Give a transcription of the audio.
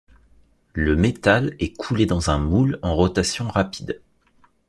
Le métal est coulé dans un moule en rotation rapide.